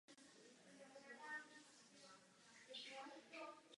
Vznikají při nízkých teplotách v povrchových zónách působením vnějších geologických sil.